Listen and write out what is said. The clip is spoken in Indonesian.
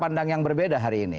dan pandangan yang berbeda hari ini